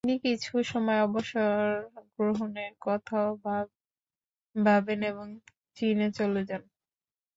তিনি কিছু সময় অবসর গ্রহণের কথাও ভাবেন এবং চীনে চলে যান।